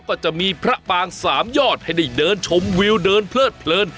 ก็จะมีพระปางสามยอดให้ได้เดินชมวิวเดินเพลิดเพลิน